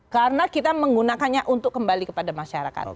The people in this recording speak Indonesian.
karena kita menggunakannya untuk kembali kepada masyarakat